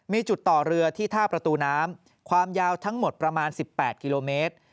มีจุดต่อเรือที่ท่าประตูน้ำความยาวทั้งหมดประมาณ๑๘กิโลเมตร